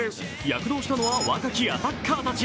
躍動したのは若きアタッカーたち。